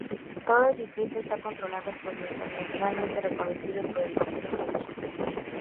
Todo distrito está controlado por el internacionalmente reconocido por el gobierno de Chipre.